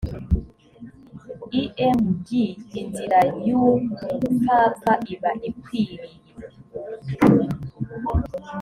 img inzira y umupfapfa iba ikwiriye